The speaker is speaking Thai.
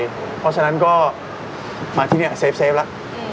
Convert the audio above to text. เพราะฉะนั้นก็มาที่นี่เซฟแล้ว